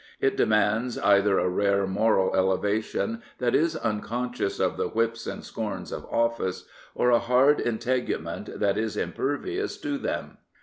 It dem2in(is either a rare moral eleva tion that is unconscious of the whips and scorns of office, or a hard integument that is impervious to them.